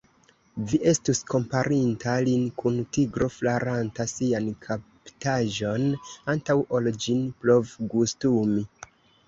Vi estus komparinta lin kun tigro flaranta sian kaptaĵon, antaŭ ol ĝin provgustumi.